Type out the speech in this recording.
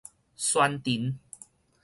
攀藤